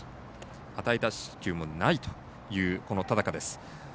与えた四死球もないという田高です。